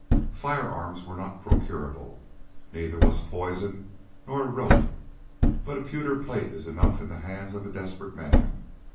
Fire arms were not procurable, neither was poison nor a rope, but a pewter plate is enough in the hands of a desperate man.